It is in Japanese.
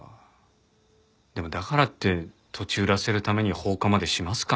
でもだからって土地売らせるために放火までしますかね？